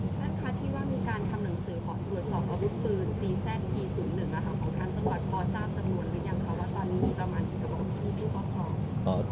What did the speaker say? หมอบรรยาหมอบรรยา